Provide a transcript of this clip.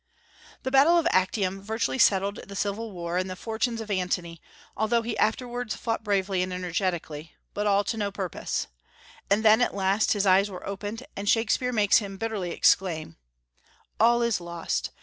The battle of Actium virtually settled the civil war and the fortunes of Antony, although he afterwards fought bravely and energetically; but all to no purpose. And then, at last, his eyes were opened, and Shakspeare makes him bitterly exclaim, "All is lost!